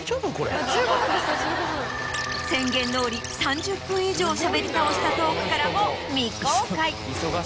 宣言どおり３０分以上しゃべり倒したトークからも未公開。